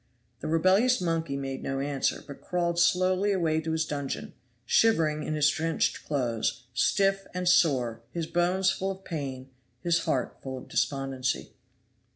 The rebellious monkey made no answer, but crawled slowly away to his dungeon, shivering in his drenched clothes, stiff and sore, his bones full of pain, his heart full of despondency.